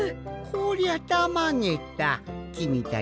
こりゃたまげた。